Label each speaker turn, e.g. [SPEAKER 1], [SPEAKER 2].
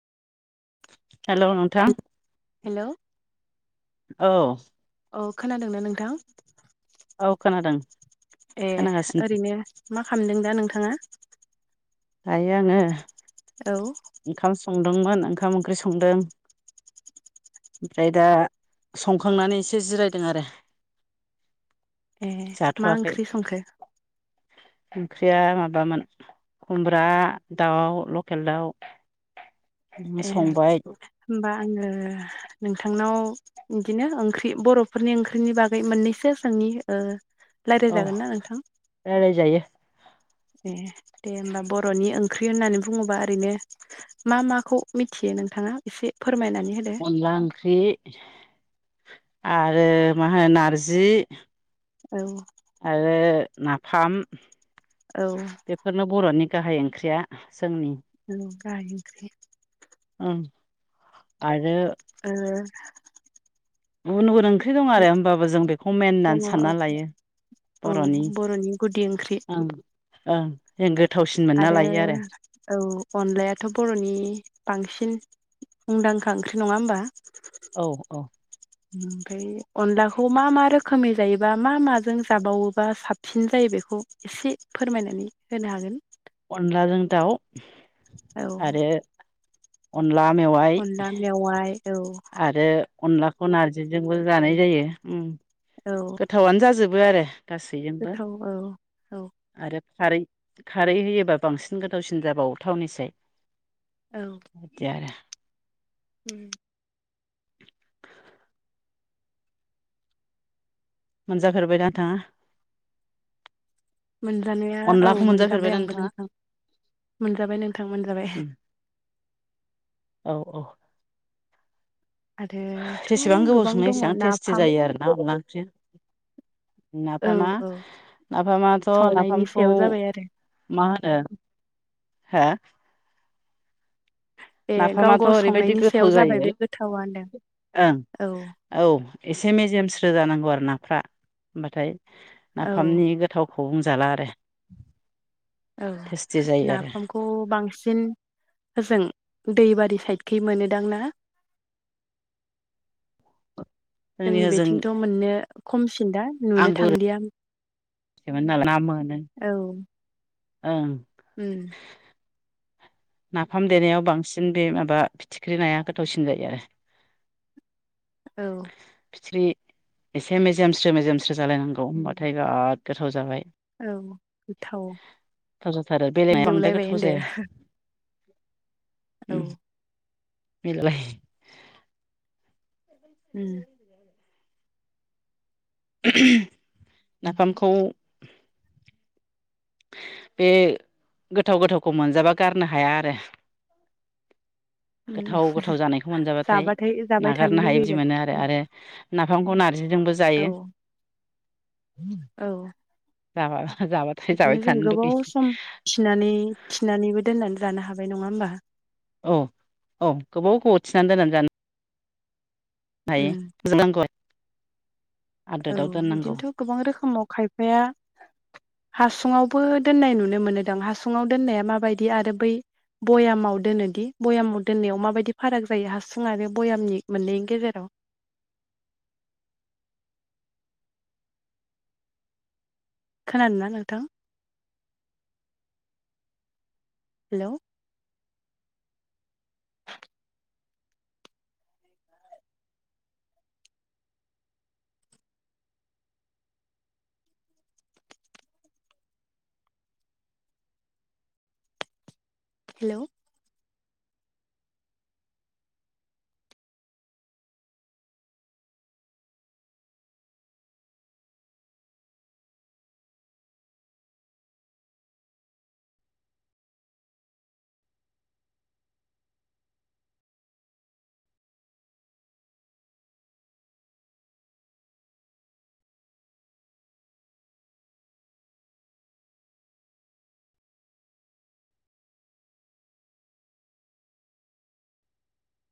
[SPEAKER 1] हेल' नोंथां
[SPEAKER 2] हेलौ
[SPEAKER 1] औ।
[SPEAKER 2] औ खोनादोंना नोंथां
[SPEAKER 1] औ खोनादों
[SPEAKER 2] ए
[SPEAKER 1] खोनागासिनो
[SPEAKER 2] ओरैनो मा खालामदों दा नोंथाङा?
[SPEAKER 1] दायो आङो
[SPEAKER 2] औ।
[SPEAKER 1] ओंखाम संदोंमोन ओंखाम ओंख्रि संदों। ओमफ्राय दा संखांनानै एसे जिरायदों आरो।
[SPEAKER 2] ए मा
[SPEAKER 1] जाथवाखै
[SPEAKER 2] ओंख्रि संखो
[SPEAKER 1] ओंख्रिया माबामोन खुमब्रा दाउ लकेल दाउ। [unintelligible]
[SPEAKER 2] ए
[SPEAKER 1] संबाय
[SPEAKER 2] होमबा आङो नोंथांनाव बिदिनो ओंख्रि बर'फोरनि ओंख्रिनि बागै मोननैसो जोंनि ओ
[SPEAKER 1] औ
[SPEAKER 2] रायज्लायजागोन ना नोंथां?
[SPEAKER 1] रायलायजायो
[SPEAKER 2] ए दे होनोमबा बर'नि ओंख्रि होननानै बुङोबा ओरैनो मा माखौ मिथियो नोंथाङा एसे फोरमायनानै होदो।
[SPEAKER 1] अनला ओंख्रि आरो मा होनो नारजि।
[SPEAKER 2] औ
[SPEAKER 1] आरो नाफाम
[SPEAKER 2] औ।
[SPEAKER 1] बेफोरनो बर'नि गाहाय ओंख्रिया जोंनि।
[SPEAKER 2] [unintelligible]
[SPEAKER 1] ओम आरो
[SPEAKER 2] ओ
[SPEAKER 1] गुबुन गुबुन ओंख्रि दं आरो होमबाबो जों बेखौ मेन
[SPEAKER 2] दङ
[SPEAKER 1] होननानै सानना लायो। बर'नि
[SPEAKER 2] औ बर'नि गुदि ओंख्रि।
[SPEAKER 1] ओ जेंगोद।
[SPEAKER 2] आरो औ अनलायाथ' बर'नि बांसिन मुंदांखा ओंख्रि नङा होमबा?
[SPEAKER 1] औ औ
[SPEAKER 2] ओमफ्राय अनलाखौ मा मा रोखोमै जायोबा मा माजों जाबावोबा साब फिन जायो बेखौ एसे फोरमायनानै होनो हागोन?
[SPEAKER 1] अनलाजों दाउ।
[SPEAKER 2] औ
[SPEAKER 1] आरो अनला मेवाइ।
[SPEAKER 2] अनला मेवाइ औ।
[SPEAKER 1] आरो अनलाखौ नारजिजोंबो जानाय जायो।
[SPEAKER 2] औ
[SPEAKER 1] गोथावनो जाजोबो आरो गासैजोंबो
[SPEAKER 2] गोथाव औ औ
[SPEAKER 1] आरो खारै खारै होयोबा बांसिन गोथावसिन जाबावो थावनिसाय।
[SPEAKER 2] औ
[SPEAKER 1] बिदि आरो
[SPEAKER 2] उम
[SPEAKER 1] मोनजाफेरबायना नोंथाङा?
[SPEAKER 2] मोनजानाया औ
[SPEAKER 1] अनलाखौ
[SPEAKER 2] मोनजाबाय
[SPEAKER 1] मोनजाफेरबायना
[SPEAKER 2] आंबो
[SPEAKER 1] नोंथाङा
[SPEAKER 2] नोंथां मोनजाबाय नोंथां मोनजाबाय।
[SPEAKER 1] उम औ औ
[SPEAKER 2] आरोथ'
[SPEAKER 1] जेसेबां गोबाव
[SPEAKER 2] गोबां
[SPEAKER 1] सङो
[SPEAKER 2] दङ
[SPEAKER 1] एसेबां टेस्टि
[SPEAKER 2] नाफाम
[SPEAKER 1] जायो आरोना अनला ओंख्रिया।
[SPEAKER 2] औ
[SPEAKER 1] नाफामा
[SPEAKER 2] औ
[SPEAKER 1] नाफामाथ'
[SPEAKER 2] संनायनि
[SPEAKER 1] नाफामखौ
[SPEAKER 2] सायाव जाबाय आरो
[SPEAKER 1] मा होनो हो
[SPEAKER 2] बे गाव
[SPEAKER 1] नाफामाथ'
[SPEAKER 2] गाव
[SPEAKER 1] ओरैबायदि
[SPEAKER 2] संनायनि सायाव
[SPEAKER 1] गोथाव
[SPEAKER 2] जाबाय
[SPEAKER 1] जायो
[SPEAKER 2] बे गोथावा होनदों
[SPEAKER 1] ओं।
[SPEAKER 2] औ
[SPEAKER 1] औ एसे मेजेम स्रो जानांगौ आरो नाफ्रा होमबाथाय
[SPEAKER 2] औ
[SPEAKER 1] नाफामनि थावखौ बुंजाला आरो।
[SPEAKER 2] औ
[SPEAKER 1] टेस्टि जायो आरो
[SPEAKER 2] नाफामखौ खौ बांसिन ओजों दैबारि साइदखै मोनोदां ना? [inaudible] जोंनि बेथिंथ' मोननो खमसिन दा नुनो
[SPEAKER 1] आंबो
[SPEAKER 2] थांदिया।
[SPEAKER 1] ना मोनो।
[SPEAKER 2] औ
[SPEAKER 1] ओं
[SPEAKER 2] उम
[SPEAKER 1] नाफाम देनायाव बांसिन बे माबा फिथिख्रि नाया गोथावसिन जायो आरो।
[SPEAKER 2] औ
[SPEAKER 1] फिथिख्रि एसे मेजेमस्रो मेजेमस्रो जालायनांगौ होमबाथाय बिराद गोथाव जाबाय।
[SPEAKER 2] औ
[SPEAKER 1] गोथाव जाथारो बेलेग नाया बांद्राय
[SPEAKER 2] मिलौलायबाय
[SPEAKER 1] गोथाव
[SPEAKER 2] होनदो
[SPEAKER 1] जाया।
[SPEAKER 2] औ
[SPEAKER 1] बिलाय।
[SPEAKER 2] उम
[SPEAKER 1] नाफामखौ बे गोथाव गोथावखौ मोनजाबा गारनो हाया आरो।
[SPEAKER 2] उम
[SPEAKER 1] गोथाव गोथाव जानायखौ मोनजाबाथाय
[SPEAKER 2] जाबाथाय जाबाय थानो
[SPEAKER 1] नागारनो हायै बिदि
[SPEAKER 2] लुगैगोन
[SPEAKER 1] मोनो आरो। आरो नाफामखौ नारजिजोंबो जायो
[SPEAKER 2] औ औ
[SPEAKER 1] जाबा जाबा
[SPEAKER 2] बिदिनो जों गोबाव सम खिनानै थिनानैबो दोननानै जानो हाबाय नङा होमबा?
[SPEAKER 1] औ औ गोबाव गोबाव थिनानै दोननानै जानो हायो
[SPEAKER 2] उम
[SPEAKER 1] [unintelligible]
[SPEAKER 2] औ इदिनोथ' गोबां रोखोमाव खायफाया हासुङावबो दोननाय नुनो मोनो दां हासुङाव दोननाया माबायदि आरो बै भयामाव दोनोदि भयामाव दोननायाव माबायदि फाराग जायो हासुङ आरो भयामनि मोननैनि गेजेराव? खोनादों ना नोंथां? Hello hello